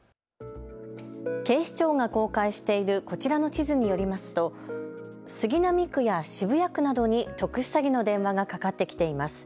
警視庁が公開しているこちらの地図によりますと杉並区や渋谷区などに特殊詐欺の電話がかかってきています。